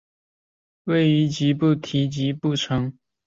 位于吉布提吉布提城。